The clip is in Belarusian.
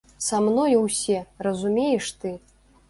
Са мною ўсе, разумееш ты?